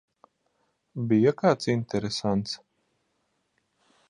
Bija kāds interesants?